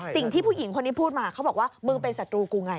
สิ่งที่ผู้หญิงคนนี้พูดมาเขาบอกว่ามึงเป็นสัตวุกูไง